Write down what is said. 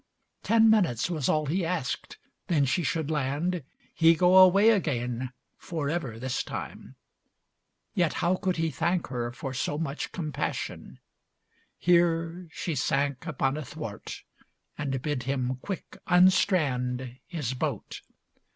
Ten Minutes was all he asked, then she should land, He go away again, Forever this time. Yet how could he thank Her for so much compassion. Here she sank Upon a thwart, and bid him quick unstrand LX His boat.